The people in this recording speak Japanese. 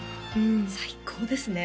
最高ですね